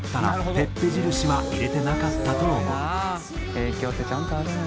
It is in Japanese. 「影響ってちゃんとあるんやな」